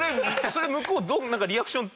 それ向こうリアクション